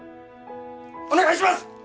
お願いします。